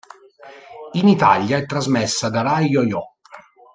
In Italia è trasmessa da Rai YoYo.